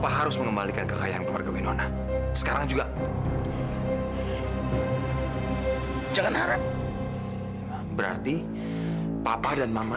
kamu jangan ngasuk kamu mau nikahin mama